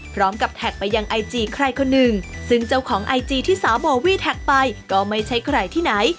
แท็กไปยังไอจีใครคนหนึ่งซึ่งเจ้าของไอจีที่สาวโบวี่แท็กไปก็ไม่ใช่ใครที่ไหน